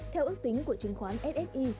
theo ước tính của chứng khoán ssi